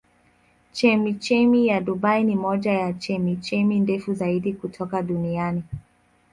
Chemchemi ya Dubai ni moja ya chemchemi ndefu zaidi kote duniani.